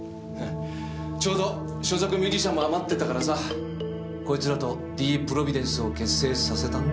ちょうど所属ミュージシャンも余ってたからさこいつらとＤｅｅＰｒｏｖｉｄｅｎｃｅを結成させたんだ。